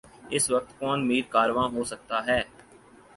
اس وقت کون میر کارواں ہو سکتا ہے؟